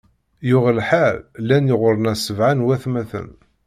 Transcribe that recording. Yuɣ lḥal, llan ɣur-neɣ sebɛa n watmaten.